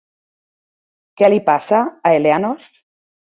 Què li passa a Eleanor?